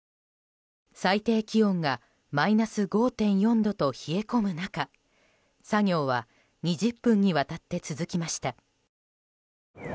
最低気温がマイナス５．４度と冷え込む中作業は２０分にわたって続きました。